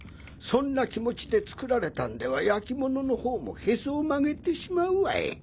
そんな気持ちで造られたんでは焼き物の方もヘソを曲げてしまうわい。